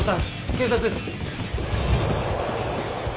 警察です。